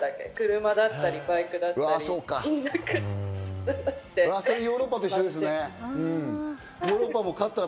車だったり、バイクだったり。